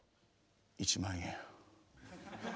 １万円。